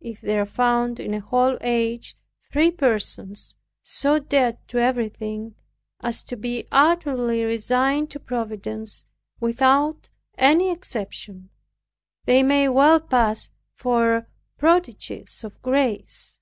If there are found in a whole age three persons so dead to everything, as to be utterly resigned to providence without any exception, they may well pass for prodigies of grace.